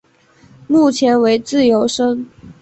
目前为自由身。